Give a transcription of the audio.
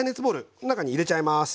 この中に入れちゃいます。